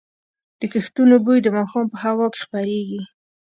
د کښتونو بوی د ماښام په هوا کې خپرېږي.